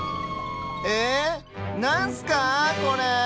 えっなんすかあこれ？